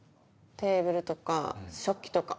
テーブルとか食器とか。